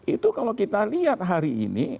itu kalau kita lihat hari ini